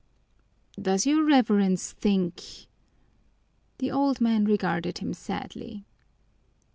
"Does your Reverence think " The old man regarded him sadly.